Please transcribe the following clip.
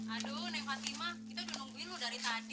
aduh nen fatima kita udah nungguin lo dari tadi